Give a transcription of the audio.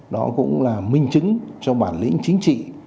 đó cũng là minh chứng cho bản lĩnh chính trị